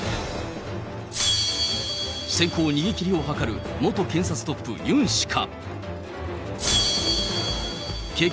先行逃げ切りを図る元検察トップ、ユン氏か。